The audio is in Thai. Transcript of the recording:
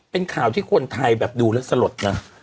เป็นข่าวที่คนไทยแบบดูแล้วสลดนะ